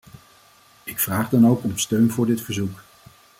Ik vraag dan ook om steun voor dit verzoek.